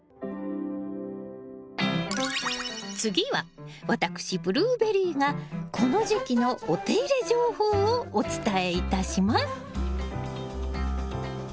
次は私ブルーベリーがこの時期のお手入れ情報をお伝えいたします。